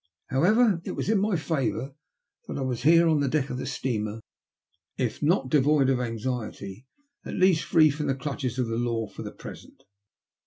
However, it was in my favour that I was here on the deck of the steamer, if not devoid of anxiety, at least free from the clutches of the law for the present.